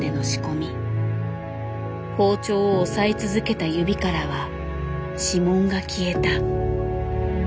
包丁を押さえ続けた指からは指紋が消えた。